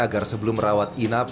agar sebelum merawat inap